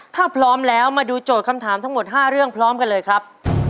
ถ้าพร้อมแล้วมาดูโจทย์คำถามทั้งหมด๕เรื่องพร้อมกันเลยครับ